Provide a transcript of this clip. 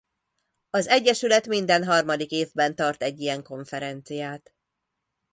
Az egyesület minden harmadik évben tart egy ilyen konferenciát.